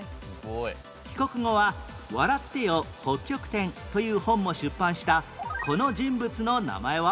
帰国後は『笑ってよ、北極点』という本も出版したこの人物の名前は？